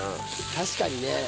確かにね。